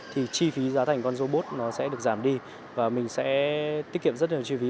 thì chi phí giá thành con robot nó sẽ được giảm đi và mình sẽ tiết kiệm rất nhiều chi phí